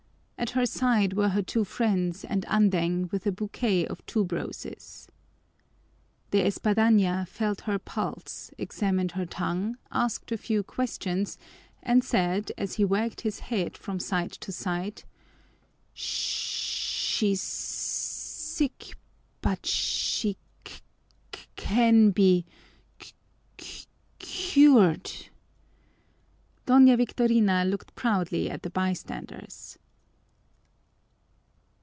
At her side were her two friends and Andeng with a bouquet of tuberoses. De Espadaña felt her pulse, examined her tongue, asked a few questions, and said, as he wagged his head from side to side, "S she's s sick, but s she c can be c cured." Doña Victorina looked proudly at the bystanders.